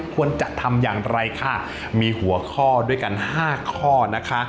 ควรจะทำอย่างไรค่ะมีหัวข้อด้วยกัน๕ข้อนะคะ